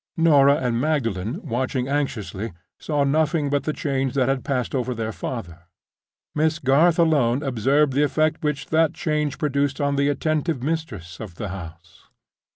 Norah and Magdalen, watching anxiously, saw nothing but the change that passed over their father. Miss Garth alone observed the effect which that change produced on the attentive mistress of the house.